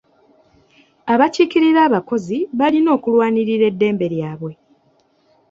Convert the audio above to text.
Abakiikirira abakozi balina okulwanirira eddembe lyabwe.